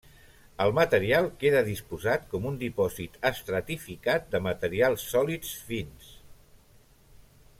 El material queda disposat com un dipòsit estratificat de materials sòlids fins.